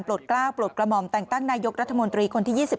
กล้าวปลดกระหม่อมแต่งตั้งนายกรัฐมนตรีคนที่๒๑